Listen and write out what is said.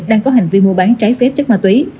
đang có hành vi mua bán trái phép chất ma túy